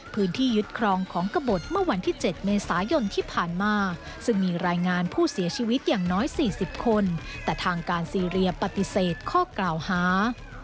ยึดครองของกระบดเมื่อวันที่๗เมษายนที่ผ่านมาซึ่งมีรายงานผู้เสียชีวิตอย่างน้อย๔๐คนแต่ทางการซีเรียปฏิเสธข้อกล่าวหา